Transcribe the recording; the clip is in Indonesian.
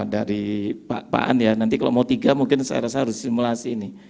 dari pak an ya nanti kalau mau tiga mungkin saya rasa harus simulasi ini